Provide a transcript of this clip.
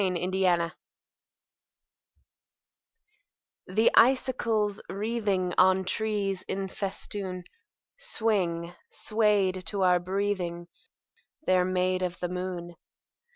SILVER FILIGREE The icicles wreathing On trees in festoon Swing, swayed to our breathing: They're made of the moon.